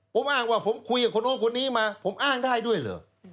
ผมอ้างว่าผมคุยกับคนนู้นคนนี้มาผมอ้างได้ด้วยเหรอ